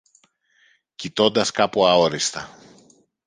κοιτώντας κάπου αόριστα